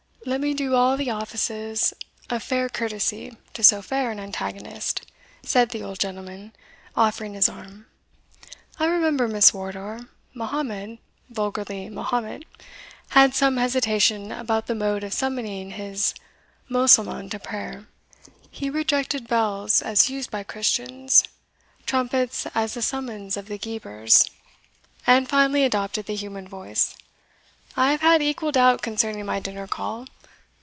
"Let me do all the offices of fair courtesy to so fair an antagonist," said the old gentleman, offering his arm. "I remember, Miss Wardour, Mahommed (vulgarly Mahomet) had some hesitation about the mode of summoning his Moslemah to prayer. He rejected bells as used by Christians, trumpets as the summons of the Guebres, and finally adopted the human voice. I have had equal doubt concerning my dinner call.